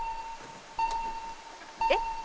えっ？